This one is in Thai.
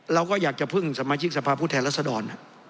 เราก็อยากจะพึ่งสมาชิกสภาพผู้แทนรัศดร